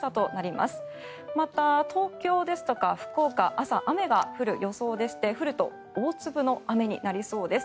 また東京とか福岡は朝に雨が降る予想でして降ると大粒の雨になりそうです。